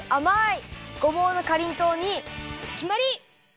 ごぼうのかりんとうにきまり！